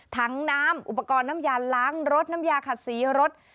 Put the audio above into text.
ถังน้ำอุปกรณ์น้ำยาล้างรถน้ำยาขัดสีรถ